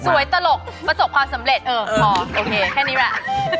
สวยตลกประสบความสำเร็จโอเคแค่นี้แหละ